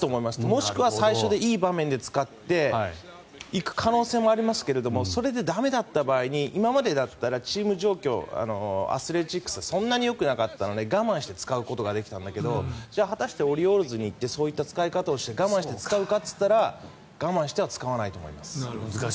もしくは最初でいい場面で使って行く可能性もありますけどそれで駄目だった場合に今までだったチーム状況アスレチックスはそんなによくなかったので我慢して使うことができたんですけど果たしてオリオールズに行ってそういった使い方をして我慢して使うかと言ったら我慢しては使わないと思います。